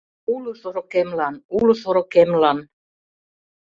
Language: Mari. Уло шорыкемлан, уло шорыкемлан